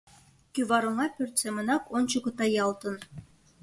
Кӱвар оҥа пӧрт семынак ончыко таялтын.